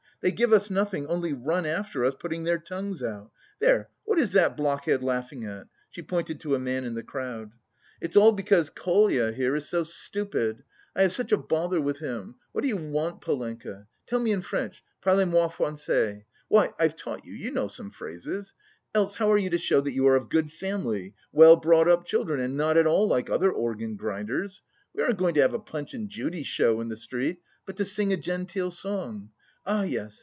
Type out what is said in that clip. They give us nothing, only run after us, putting their tongues out. There, what is that blockhead laughing at?" (She pointed to a man in the crowd.) "It's all because Kolya here is so stupid; I have such a bother with him. What do you want, Polenka? Tell me in French, parlez moi français. Why, I've taught you, you know some phrases. Else how are you to show that you are of good family, well brought up children, and not at all like other organ grinders? We aren't going to have a Punch and Judy show in the street, but to sing a genteel song.... Ah, yes